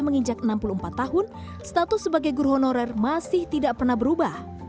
menginjak enam puluh empat tahun status sebagai guru honorer masih tidak pernah berubah